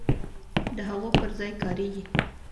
د هغو پر ځای کاریږي.